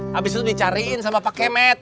habis itu dicariin sama pak kemet